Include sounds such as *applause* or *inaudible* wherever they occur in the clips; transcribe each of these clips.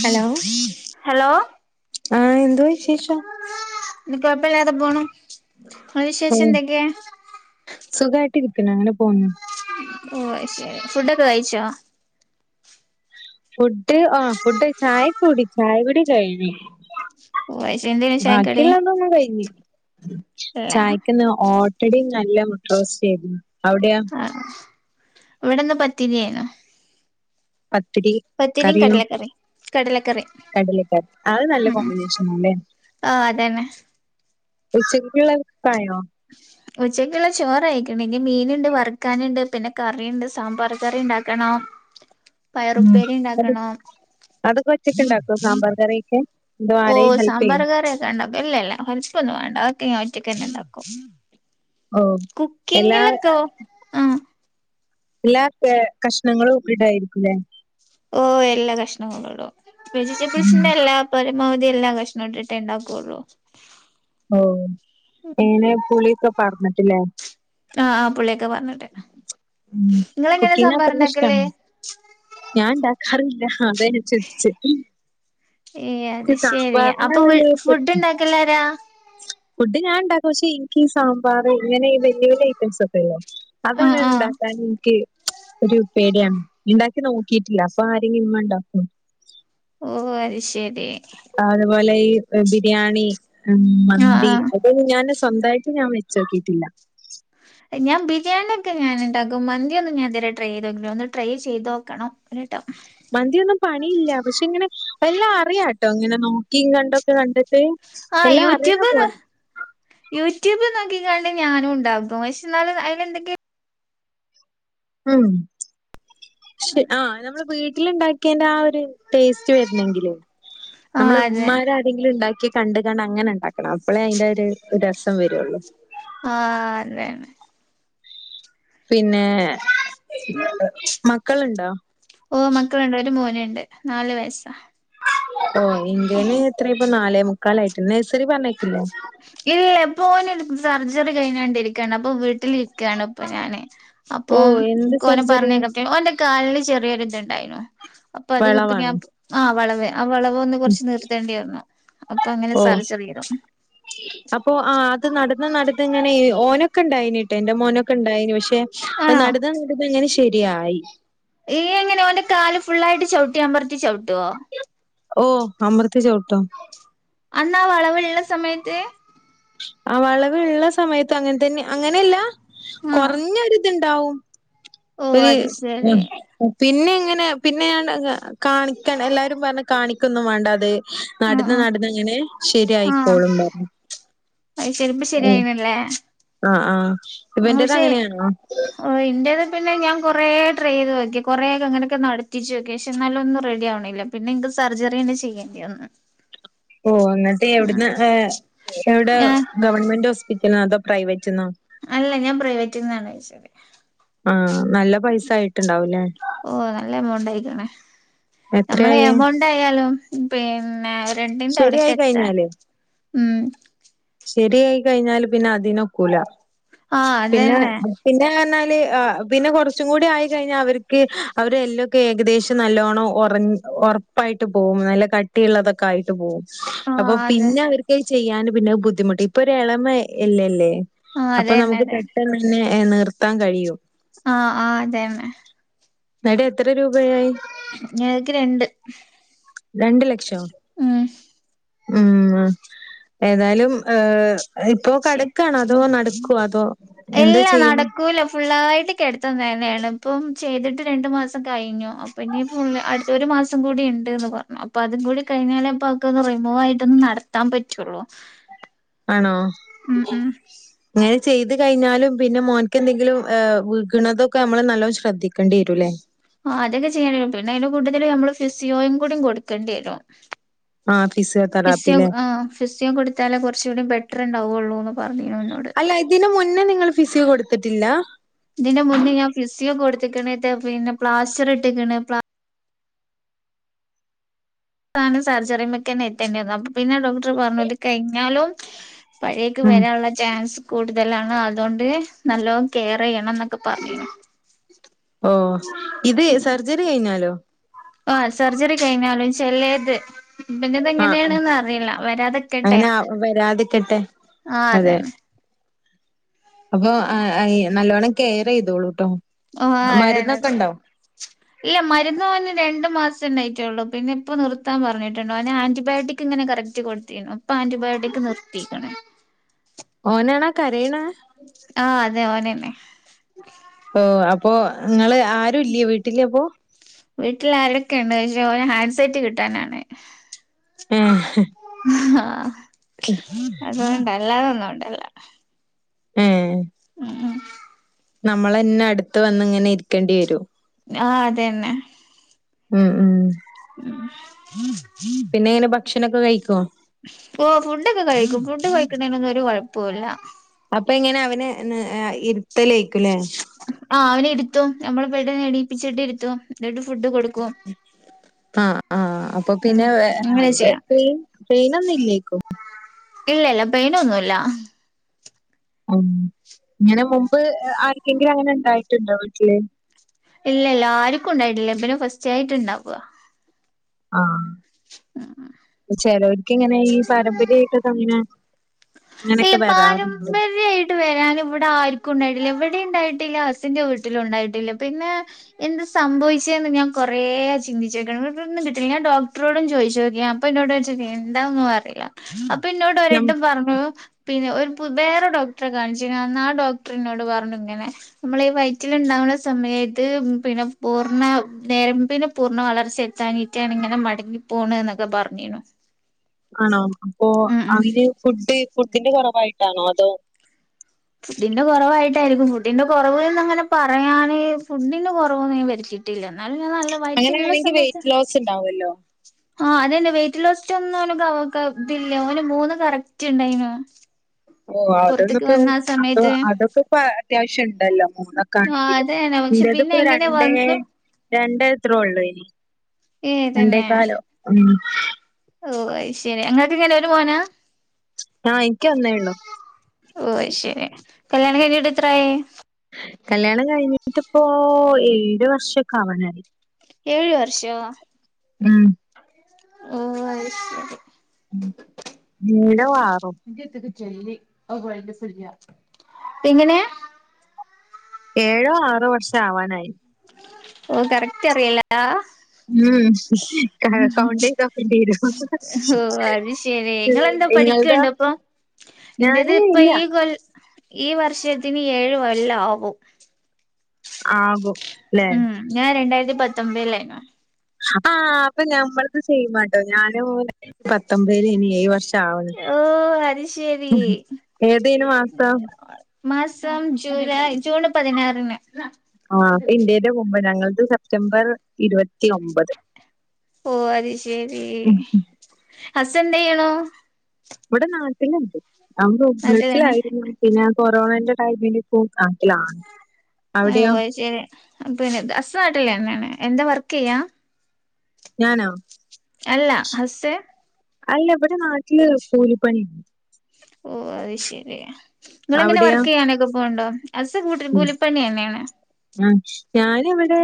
Hello hello ആഹ് എന്തോ വിശേഷം കുഴപ്പല്ലാതെ പോണു ഇങ്ങളെ വിശേഷം ഓഹ് എന്തൊക്കെയ സുഖായിട്ടിരിക്ക്ണ് അങ്ങനെ പോവുന്നു ഓ ശരി ഫുഡൊക്കെ കഴിച്ചോ ഫുഡ് ആഹ് ഫുഡ് ചായ കൂടി ചായ കൂടിയൊക്കെ കഴിഞ്ഞു ഓ അയ്ശരി എന്തേനു ചായക്കടി ബാക്കിള്ളെന്നും കഴിഞ്ഞ് ഇല്ല ചായ്ക്കിന്ന് ഓട്ടടയും നല്ല മുട്ടറോസ്റ്റ് ആയിരുന്നു അവിടെയോ ആഹ് ഇവിടെന്ന് പത്തിരിയെന്നു പത്തിരി കറിയോ കടലക്കറിയും കടലക്കറി കടലക്കറി അത് നല്ല ഉം കോമ്പിനേഷൻ ആല്ലേ ആഹ് അതന്നെ ഉച്ചള്ളക്കുള്ളത്‌ക്കായോ ഉച്ചക്കുള്ള ചോറായിക്ക്ണ് ഇനി മീൻണ്ട് വർക്കാനുണ്ട് പിന്നെ കറിയുണ്ട് സാമ്പാർ കറി ഉണ്ടാക്കണോ ഉം അതൊക്കെ ഒറ്റക്ക് ഉണ്ടാക്കൊ സാമ്പാർ കറിയൊക്കെ അതോ ഓ ആരേലും ഹെൽപ് സാമ്പാർ ചെയ്യോ കറിയൊക്കെ ഉണ്ടാക്കും ഇല്ലല്ല വലിച്ചിപ്പൊന്നും വേണ്ട അതോക്കെ ഞാൻ ഒറ്റയ്ക്ക്ന്നെ ഉണ്ടാക്കും ഓഹ് എല്ലാ കുക്കിങ്ങിലെത്തോ എല്ലാ കഷ്ണങ്ങളും ഇടായിരിക്കുല്ലേ ഓ എല്ലാ കഷ്ണങ്ങളടും ഉം വെജിറ്റബിൾസിന്റെ എല്ലാ പരമാവധി എല്ലാം കഷ്ണം ഇട്ട് ട്ടെ ഇണ്ടാക്കോള്ളു ഓ എങ്ങനെ പുളിയോക്കെ പാർന്നിട്ടിലെ ആഹ് ആഹ് പുള്ളിയൊക്കെ പാർന്നിട്ട് ഉം ഇങ്ങൾ എങ്ങേനേ കുക്കിംഗ് സമ്പാറൊക്കെ അത്രയ്ക്ക് ഇണ്ടാക്കൽ ഇഷ്ടാണ്. ഞാൻ ഉണ്ടാക്കാറില്ല അതാ ഞാൻ ചിരിച്ചേ ഏഹ് അത് ശരി അപ്പൊ ഒരു ഫുഡ് ഉണ്ടാക്കലരാ ഫുഡ് ഞാൻണ്ടാക്കും പക്ഷേ ഇൻക്ക് സാമ്പാർ ഇങ്ങനെ വലിയ വലിയ ഐറ്റംസ് ഒക്കെല്ലേ ആഹ് അതൊക്കെ ആഹ് ഉണ്ടാക്കാൻ ഇനിക്ക് ഒരു പേടിയാണ് ക്ക് നോക്കിയിട്ടില്ല അപ്പൊ ആരെങ്കും ഇമ്മ ഇണ്ടാക്കോ ഓഹ് അയ് ശെരി അതുപോലെ ഈ ബിരിയാണി ഉം ആഹ് മന്തി ആഹ് അതൊന്നും ഞാന് സ്വന്തമായിട്ട് ഞാൻ വെച്ചോക്കിയിട്ടില്ല ഞാൻ ബിരിയാണിയ ഒക്കെ ഞാൻ ഉണ്ടാക്കും മന്തി ഒന്ന് ഞാൻതുവരെ ട്രൈ്തോക്കില്ലോ ഒന്ന് ട്രൈ ചെയ്ത് നോക്കണം ഒരു ടഫ് മന്തിയൊന്നും പണിയില്ല പക്ഷെ ഇങ്ങനെ എല്ലാം അറിയാംട്ടോ ഇങ്ങനെ നോ ക്കി കണ്ടൊക്കെ കണ്ടിട്ട് ആഹ് എല്ലാം അറിയിണ യൂട്യൂബ് പോലെ യൂട്യൂബ് നോക്കിക്കാണ്ട് ഞാനും ഉണ്ടാകും പക്ഷെ എന്നാലും അയിൽ എന്തൊക്കെ ഉം ആഹ നമ്മള് വീട്ടിൽ ഉണ്ടാക്കിയന്റെ ആ ഒരു ടേസ്റ്റ് വരുന്നെങ്കിൽ ആഹ് നമ്മളെ അതെ മ്മാര് ആരെങ്കിലും എന്തെങ്കിലും ഉണ്ടാക്കി കണ്ട്ങ്ങാട് അങ്ങനെ ഉണ്ടാക്കണം അപ്പോളെ അയിന്റെ ഒരു രസം വരുള്ളൂ ആഹ് അതെന്നെ പിന്നെ മക്കളുണ്ടോ ഓ മക്കളുണ്ട് ഒരു മോനുണ്ട് നാല് വയസ്സാ ഓ ഇന്റന് ഇത്രയിപ്പോ നാലേ മുക്കാലായിട്ട് നഴ്സരി പറഞ്ഞേക്കില്ലേ ഇല്ല പോന് സർജറി കഴിഞ്ഞു കൊണ്ടിരിക്കയാണ് അപ്പൊ വീട്ടിൽ ക്കാണ് ഇപ്പൊ ഞാന് ഓ അപ്പൊ എന്ത് ഇന്ക് സർജറിയാ? പറഞ്ഞയ്ക്ക ഓന്റെ കാലിന് ചെറിയൊരു ഇതുണ്ടായിരുന്നു അപ്പൊ അത് പി ഞാ വളവാണ് ആ വളവേ ആ വളവ ഒന്ന് കുറച്ച് നിർത്തേണ്ടിായിന്നു അപ്പൊ അങ്ങനെ ഓ സർജറിചെയ്തു അപ്പൊ ആഹ് അത് നട ത്ങ്ങനെ ഓനൊക്കെ ഉണ്ടായി കേട്ടോ എ്റെ മോനൊക്കെ ഉണ്ടായി പക്ഷെ ആണോ നനെ ശരിയായി ഈ എങ്ങനെയെഓന്റെ കാല് ഫുൾ ആയിട്ട് ചവിട്ടിയാൻ പററ്റത്തി ചവിട്ടുവോ ഓ അമൃത്തി ചവിട്ടും അന്നാ ആ വളവ് ഇള സമയത്ത് ആ വളവ ഉള്ള സമയത്ത് അങ്ങനെ തന്നെ അങ്ങനെയല്ല ആ കുറഞ്ഞൊരി ഇത്ണ്ടാവും ഓ ഒരു അത് ശരി പിന്നെ ഇങ്ങനെ പിന്നെ ഞാൻ കാണിക്കാൻ എല്ലാരും പറഞ്ഞ കാണിക്കൊന്നും വേണ്ട അത് ആ നടന്ന് ആ നടന്ന് അങ്ങനെ ആ ശരിയായിക്കോളും പറഞ്ഞ് അത് ചെലിപ്പ ശരിയായിനല്ലേ ആഹ ആഹ ആ പക്ഷേ ഓ എന്തത് പിന്നെ ഞാൻ കൊറേ ട്രൈ ചെയ്ത് നോക്കി കുറെ ഒക്കെ അങ്ങനൊക്ക നടത്തിച്ച് നോക്കി പക്ഷെ എന്നാലും ഒന്നും റെഡി ആവണില്ല പിന്നെ എക്ക് സർജറി തന്നെ ചെയ്യേണ്ടി വന്ന് ! ! ! ! ! ! ! ! ! *inaudible* ഓ എന്നിട്ട് എവിടന്ന് എവിടെ ഞാൻ ഗവൺമെന്റ് ഹോസ്പിറ്റൽന്ന അതോ പ്രൈവറ്റ്ന്ന അല്ല ഞാൻ പ്രൈവറ്റിൽ നിന്നാണ് വോച്ചത് ആഹ നല്ല പൈസ ആയിട്ടുണ്ടാവൂലേ ഓ നല്ല എമൗണ്ട് ആയിക്കണേ നമ്മള് എത്രയായി? എമൗണ്ട് ആയാലും പിന്നെ രണ്ടിന്റെ അവിടക്ക ശരിയായി എത്താൻ കഴിഞ്ഞാല് ഉം ശരിയായി കഴിഞ്ഞാല് പിന്നെ അതിന് ഒക്കൂല ആഹ് പിന്നെ അതന്നെ പിന്നെ പറഞ്ഞാല് പിന്നെ കുറച്ചും കൂടി ആയി കഴിഞ്ഞാൽ അവർക്ക് അവരെ എല്ലാംൊക്കെ ഏകദേശം നല്ലോണം ഒറ ഒറപ്പായിട്ട് പോവും നല്ല കട്ടിയുള്ളതൊക്കെ ആയിട്ട് പോവും ആഹ് അപ്പൊ അതെ പിന്നെ അവർക്ക് ചെയ്യാന് പിന്നെ ബുദ്ധിമുട്ട് ഇപ്പൊ ഒരു എളമ ഇല്ലല്ലേ ആഹ് അപ്പ അതന്നെ നമുക്ക് അതന്നെ പെട്ടെന്ന് തന്നെ നിർത്താൻ കഴിയും ആഹ ആ അതെന്നേ എന്നാലും എത്ര രൂപയായി ഞങ്ങക്ക് രണ്ട് രണ്ടു ലക്ഷം ഉം ഉം ഏതാലും ഏ ഇപ്പോ ശരി കടക്കണോ അതോ നടക്കുവ അതോ എന്താ ഇല്ല ചെയ്യുന്ന നടക്കൂല ഫുള്ളായിട്ട് കിടത്ത തന്നെയാണ് ഇപ്പം ചെയ്തിട്ട് രണ്ട് മാസം കഴിഞ്ഞു അപ്പം ഇനിപ്പ അടുത്തൊരു മാസം കൂടി ഉണ്ട്ന്ന് പറഞ്ഞു അപ്പൊ അതും കൂടി കഴിഞ്ഞാലേ അപ്പൊ അവക്കന്ന് റിമൂവ് ആയിട്ടൊന്ന് നട എത്താൻ പറ്റുള്ളൂ ആണോ ഉം ഉം അങ്ങനെ ചെയ്ത് കഴിഞ്ഞാലും പിന്നെ മോൻക്ക് എന്തെങ്കിലും ഏഹ് വിഗ്ണതൊക്കെ നമ്മള് നല്ലോണം ശ്രദ്ധിക്കേണ്ടി വരുംല്ലേ ആ അതൊക്കെ ചെയ്യേണ്ടരും പിന്നെ അതിൻ്റെ കൂട്ടത്ത്‌ല് നമ്മള് ഫ്യുസിയോയും കൂടി കൊടുക്കേണ്ടി വരും ആഹ് ഫിസിയോതെറാപ്പി ഫിസിയോ ല്ലേ? ആ ഫിസിയോ കൊട് ത്താലേ കൊർച്ചുകൂടി ബെറ്റർ ഉണ്ടാവുള്ളൂ ന്ന് പർഞ്ഞീനു ഇന്നോട് അല്ല ഇതിന് മുന്നെ നിങ്ങൾ ഫിസിയൊ കൊടുത്തിട്ടില്ല ഇതിന് മുന്നേ ഞാൻ ഫിസിയോ കൊടുത്ത്ക്ക്ണ് ത്ത പിന്നെ പ്ലാസ്റ്റർ ഇട്ട്ക്ക്ണ് ണ് സർജറിമക്കെന്നെ എത്തേണ്ടി വന്നു അപ്പ പിന്നെ ഡോക്ടർ പർഞ്ഞു ഇത് കഴിഞ്ഞാലും പനി യൊക്കെ ഉം വരാനുള്ള ചാൻസ് കൂടുതലാണ് അതുകൊണ്ട് നല്ലോണം കെയർ ചെയ്യണം എന്നൊ ക്കെ പർഞ്ഞു ഓഹ് ഇത് സർജറി കഴിഞ്ഞാലോ ആഹ് സെർജറി കഴിഞ്ഞാലും ചെലേത് പിന്നെ ആഹ് ആഹ് ഇതെങ്ങനെയാണ്ന്ന് അറിയില്ല വരാതെക്കട്ടെ അങ്ങനെ വരാതിക്കട്ടെ. ആഹ് അതെ അതെന്നെ അപ്പൊ നല്ലോണ്ണം കെയർ ചെയ്തോളൂട്ടോ ഓഹ് മരുന്നൊക്കെ അതാണത് ഇണ്ടോ ഇല്ല മരുന്ന് ഓന് രണ്ട് മാസം ഉണ്ടായിട്ടുള്ളൂ പിന്നെ ഇപ്പം നിർത്താൻ പറഞ്ഞിട്ടുണ്ട് ഓന് ആന്റിബയോട്ടിക് ഇങ്ങനെ കറക് റ്റ് കൊട്ത്തീനു ഇപ്പൊ ആന്റിബയോട്ടിക് നിർത്തീക്ക്ണ് ഓനാണാ കരയ്ണ ആഹ് അതെ ഓനന്നെ ഓഹ് അപ്പൊ ഇങ്ങള് ആരും ഇല്ല്യേ വീട്ടില് ഇപ്പോ വീട്ടിൽ ആരൊക്കെ ഉണ്ട് ഓന് ഹാൻഡ് സെറ്റ് കിട്ടാനാണ് ഏഹ് ആ അതോണ്ടാ അല്ലാതെ ഒന്നോണ്ടു അല്ല ഏഹ് ഉം നമ്മളന്നെ അടുത്ത് വന്ന് ഇങ്ങനെ ഇരിക്കേണ്ടി വരും ആഹ് അതന്നെ ഉം ഉം *inaudible* നീ എങ്ങനെ ഭക്ഷണൊക്കെ കഴിക്കുവോ ഓഹ് ഫുഡൊക്കെ കഴിക്കും ഫുഡ് കഴിക്ക്ണേനൊന്നും ഒരു കൊഴ്പ്പൊ ഇല്ല അപ്പൊ എങ്ങനെ അവന് *unintelligible* ഇരുത്തലേക്കൂല്ലേ ആഹ് അവനെ ഇരുത്തും നമ്മള് ബെഡ് എണീപ്പിച്ചിട്ട് ഇരുത്തും എന്നിട്ട് ഫുഡ് കൊടുക്കും ആഹ് ആഹ് ആഹ് അപ്പൊ ഉം പിന്നെ അങ്ങനെ വേ ചെയ്യാം പെയ്നൊന്നും ഇല്ലേക്കും ഇല്ലല്ല പെയ്ന് ഒന്നുല്ല ഉം ഇങ്ങനെ മുമ്പ് ആർക്കെങ്കിലും അങ്ങനെ ഉണ്ടായിട്ടുണ്ടോ വീട്ടില് ഇല്ലല്ല ആർക്കും ഉണ്ടായിട്ടില്ല ഇവന് ഫസ്റ്റ് ആയിട്ട്ണ്ടാവാ ആ ചേലോൽക്ക് ഇങ്ങനെ ഈ പാരമ്പര്യായിട്ടൊക്കെ ഇങ്ങനെ ഇങ്ങനൊക്കെ വരാറ്ണ്ട് ട്ട് വരാൻ ഇവിടെ ആർക്കും ഉണ്ടായിട്ടില്ല ഇവ്ടിം ഉണ്ടായിട്ടില്ല അസിന്റെ വീട്ടിലും ഉണ്ടായിട്ടില്ല പിന്നെ എന്ത് സംഭവിച്ചേന്ന് ഞാൻ കൊറേ ചിന്തിച്ച്ക്ണ് ന്നട്ടൊന്നും കിട്ട്നില്ല ഞാൻ ഡോക്ടറോടും ചോയിച്ചു നോക്കി അപ്പൊ എന്നോട് *unintelligible* എന്താന്നും അറിയില്ല അപ്പൊ ഇന്നോട് ഒരട്ടം പർഞ്ഞു പിന്നെ ഒരു പു വേറെ ഡോക്ടറെ കാണിച്ചീന്ന് അന്ന് ആ ഡോക്ടറിനോട് പർഞ്ഞു ഇങ്ങനെ നമ്മളീ വയറ്റിൽ ഉണ്ടാവുന്ന സമയത് പിന്നെ പൂർണ്ണ നെരമ്പിന് പൂർണ്ണ വളർച്ചെത്താഞിട്ടാണ് ഇങ്ങനെ മടങ്ങി പോണ് എന്നൊക്കെ പറഞ്ഞീന്നു ആണോ അപ്പോ ഉം അയ്ന് ഫുഡ് ഫുഡിന്റെ കൊറവായിട്ടാണോ അതോ ഫുഡിന്റെ കൊറവായിട്ടായിരിക്കും ഫുഡിന്റെ കൊറവ്ന്ന് അങ്ങനെ പറയാന് ഫുഡിന്റെ കൊറവൊന്നും വര്ത്തീ ട്ടില്ല എന്നാലും ഞാൻ നല്ല വയറ്റിലുള്ള അങ്ങനെയാണെങ്കിൽ സമയത്ത് വെയിറ്റ് ലോസ് ഉണ്ടാവുമല്ലോ ആഹ് അതെന്നെ വെയിറ്റ് ലോസ് ഒന്നും ഓന് ഇല്ല ഓന് മൂന്ന് കറക്റ്റ് ഉണ്ടായിനു ഓ അതൊന്നു പുറത്തേക്ക് ഇപ്പോ വന്ന ആ അപ്പ സമയത്ത് അതൊക്കെ ഇപ്പ അത്യാവശ്യണ്ടല്ലോ മൂന്നൊ ക്കെ ആഹ് ആണങ്കിലും അതന്നെ പക്ഷെ പിന്നെ ഇന്റതുപ്പോ എങ്ങനെ രണ്ടേ വന്നു രണ്ടേത്രോ ഒള്ളേനി ഏഹ് രണ്ടേക്കാലോ ഉം ഓ അയ്ശരി അങ്ങക്ക് എങ്ങനെ ഒരു മോനാ ആ എനിക്ക് ഒന്നേ ഉള്ളൂ ഓ അഹ്ശരി കല്യാണം കഴിഞ്ഞിട്ട് എത്രായി കല്ല്യാണം കഴിഞ്ഞിട്ടിപ്പോ ഏഴ് വർഷൊക്കെ ആവാനായി ഏഴ് വർഷോ ഉം ഉ അഹ്ശരി ഏഴോ ആറോ എങ്ങനെ ഏഴോ ആറോ വർഷം ആവാനായി ഓ കറക്റ്റ് അറയില്ല ഉം കൗണ്ടെയ്തോക്കണ്ടെരും ശരി നിളെങ്ങന്താ പഠിക്കണ്ട് അപ്പൊ ഇന്റത് ഞാന് ഇപ്പൊ ഇല്ല ഈ കൊ ഈ വർഷത്തിന് ഏഴ് കൊല്ല ആവും ആവും ഉം ഞാൻ രണ്ടായിരത്തി പത്തൊമ്പതിലായിരുന്നു ആഹ് അപ്പൊ ഞമ്മൾത് സെയിം ആട്ടോ ഞാൻ രണ്ടായിരത്തി പത്തൊമ്പതിലേനി ഏഴ് വർഷം ആവണ് ഓഹ് അത്ശരി ഏതേനു മാസം മാസം ജൂലൈ ജൂണ് പതിനാറിന് ആഹ് അപ്പ ഇന്റെ മുമ്പ് ഞങ്ങൾത് സെപ്റ്റംബർ ഇരുവത്തി ഒമ്പത് ഓ അത്ശരി ഉം ഹസ്ന്തേയ്യുണൂ ഇവിടെ നാട്ടിലുണ്ട് *inaudible* നാട്ടിലെന്നെ ഗൾഫിലായിരുന്നു പിന്നെ കൊറോണന്റെ ടൈമിൽ ഇപ് നാട്ടിലാണ് അവിടെയോ ശരി പിന്നെ അസ് നാട്ടിലന്നെയാണ് എന്താ വർക്ക്യ്യാ ഞാനോ അല്ല ഹസ് അല്ല ഇവിടെ നാട്ടില് കൂലിപ്പണി ഓഹ് അത് ശരി നിങ്ങളെങ്ങനെ അവിടെയോ വർക്ക് ചെയ്യാനൊക്കെ പോണ് ണ്ടോ ഹസ് കൂട്ടരും ഉം. കൂലിപ്പണിന്നെയാണ് ഉം ഞാനിവിടെ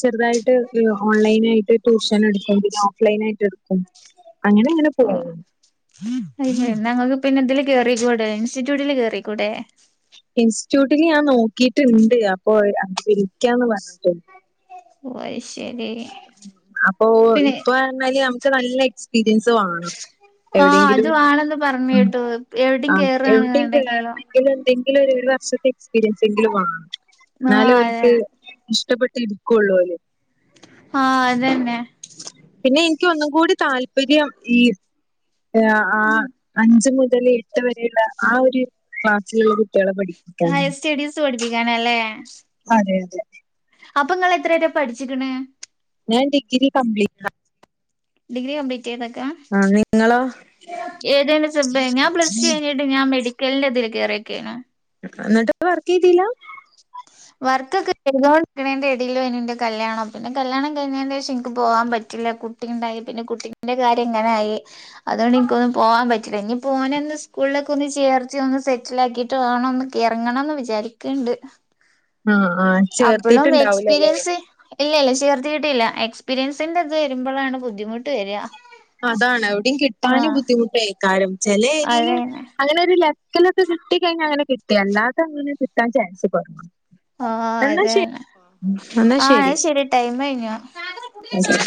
ചെറുതായിട്ട് ഓൺലൈൻ ആയിട്ട് ട്യൂഷൻ എടുക്കും പിന്നെ ഓഫ് ലൈനായിട്ട് എടു ക്കും അങ്ങനെങ്ങനെ പോവും അഹ് ശരി ന്നാ ഇങ്ങക്ക് പിന്നെ ഇതില് കേറിക്കൂടെ ഇൻസ്റ്റിറ്റ്യൂട്ടില് കേറിക്കൂടെ ഇൻസ്റ്റിറ്റ്യൂട്ടില് ഞാൻ നോക്കിയിട്ടുണ്ട് അപ്പോ വിളിക്കാന്ന് പറഞ്ഞിട്ടുണ്ട് ഓഹ് അയ് ശരി അപ്പൊ ഇപ്പ പറഞ്ഞാല് നമുക്ക് നല്ല എക്സ്പീരിയൻസ് വാണം ആഹ് അത് വേണെന്ന് പറഞ്ഞ് കേട്ടു എവിടെം കേറാണ് ന്ന്ണ്ടങ്കിലും ഇതെന്തെങ്കിലൊരു ഒരു വർഷത്തെ എക്സ്പീരിയൻസ് എങ്കിലും വാണം ആ എന്നാലേ അതെ ഓൽക്ക് ഇഷ്ടപ്പെട്ട് എടുക്കൊള്ളോലോ ആഹ് അതന്നെ പിന്നെ എനിക്ക് ഒന്നും കൂടി താല്പര്യം ഈ ആഹ് അഞ്ച് മുതൽ എട്ട് വരെയുള്ള ആ ഒരു ക്ലാസ്സിലുള്ളൊരു കുട്ടികളെ പഠപ്പിക്കാൻ സ്റ്റടീസ് പഠിപ്പിക്കാനല്ലേ അതെ അതെ അപ്പൊങ്ങളെത്ര വരെ പഠിച്ചിക്കണ് ഞാൻ ഡിഗ്രി കംപ്ലിറ്റഡാ ഡിഗ്രി കംപ്ലീറ്റ് ചെയ്ത്ക്ക ആഹ് നിങ്ങളോ ഏതേനു സബ് ഞാൻ പ്ലസ് റ്റു കഴിഞ്ഞ് ട്ട് ഞാൻ മെഡിക്കലിന്റെ ഇതിൽ കേറിക്കയാണ് എന്നിട്ട് വർക്ക് ചെയ്തീലാ വർക്കൊക്കെ ചെയ്തോണ്ടിക്കണേന്റെ എടേലേനു ന്റെ കല്യാണം പിന്നെ കല്ല്യാണം കഴിഞ്ഞേന്റെ ശേഷം എന്ക്ക് പോവാൻ പറ്റീല കു ട്ടിണ്ടായി പിന്നെ കുട്ടിന്റെ കാര്യം ഇങ്ങനായി അതുകൊണ്ട് എനിക്കൊന്ന് പോവാൻ പറ്റീല ഇനിപോനെ ഒന്ന് സ്കൂളിലൊക്കെ ഒന്ന് ചേർത്തി ഒന്ന് സെ റ്റിലാക്കിട്ട് വേണം ഒന്ന് കെറങ്ങണംന്ന് വിചാരിക്ക്ണ്ട് ആഹ് ആഹ് അപ്പളും ചേർത്തിട്ടുണ്ടാവൂലല്ലേ എക്സ്പീരിയൻസ് ഇല്ല ഇല്ല ചേർത്തീട്ടില്ല എക്സ്പീരിയൻസിന്റെ ഇത് വരുമ്പളാണ് ബുദ്ധിമുട്ട് വര്വാ അതാണ് എവിടെയും കിട്ടാനും ബുദ്ധിമുട്ടേയ്ക്കാരം ചെലെ ഏരിയേല് അതന്നെ അങ്ങനെ ഒരു ലെ ചെലത് കിട്ടിഴിഞ്ഞാൽ അങ്ങനെ കിട്ടി അല്ലാതെ അങ്ങനെ കിട്ടാൻചാൻസ് കൊറവാ ആഹ് എന്നാ ശ അതന്നെ എന്നാ ആഹ് ശരി അത് ടൈം കഴിഞ്ഞു ഓക്കെ